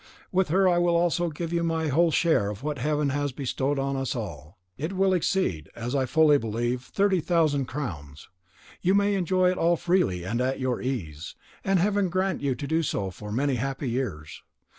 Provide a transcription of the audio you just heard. With her I will also give you my whole share of what Heaven has bestowed on us all; it will exceed, as I fully believe, thirty thousand crowns. You may enjoy it all freely and at your ease, and Heaven grant you to do so for many happy years.